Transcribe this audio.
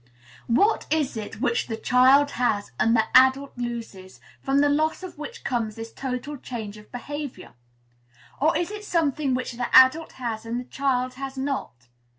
What is it which the child has and the adult loses, from the loss of which comes this total change of behavior? Or is it something which the adult has and the child had not?